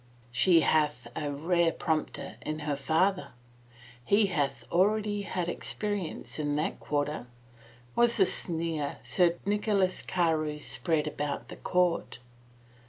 " She hath a rare prompter in her father — he hath already had experience in that quarter," was the sneer Sir Nicholas Carewe spread about the court.